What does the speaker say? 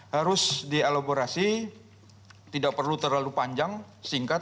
harus dielaborasi tidak perlu terlalu panjang singkat